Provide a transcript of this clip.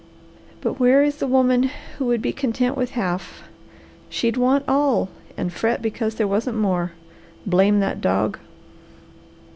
But where is the woman who would be content with half? She'd want all and fret because there wasn't more. Blame that dog!"